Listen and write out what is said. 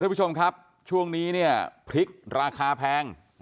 คุณผู้ชมครับช่วงนี้เนี่ยพริกราคาแพง